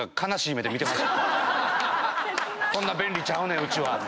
そんな便利ちゃうねんうちは。